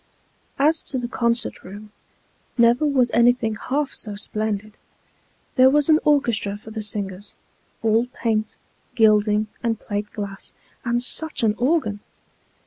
As to the concert room, never was anything half so splendid. There was an orchestra for the singers, all paint, gilding, and plate glass ; and such an organ